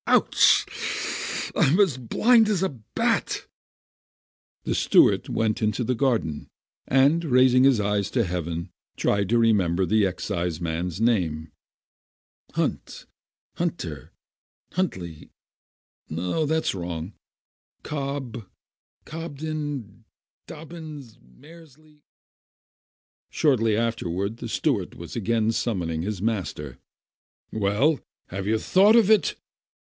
Ouch ! I'm as blind as a bat !" Digitized byV^iOOQLC A HORSEY NAME 275 The steward went into the garden» and, raising his eyes to heaven, tried to remember the exciseman's «name. "Hunt— Hunter— Huntley. No, that's wrong! Cobb — Cobden — Dobbins — Maresly " Shortly afterward, the steward was again sum moned by his master. "Well, have you thought of it?"